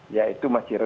ya itu masalahnya